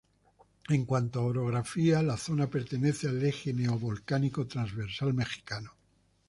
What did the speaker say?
En cuanto a orografía, la zona pertenece al eje neo-volcánico transversal mexicano.